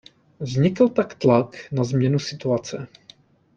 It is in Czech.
Vznikl tak tlak na změnu situace.